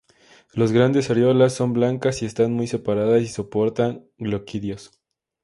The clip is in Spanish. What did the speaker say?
Los grandes areolas son blancas y están muy separadas y soportan gloquidios.